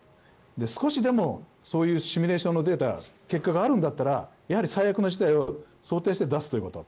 少しでも、そういうシミュレーションのデータ結果があるんだったら最悪の事態を想定して出すということ。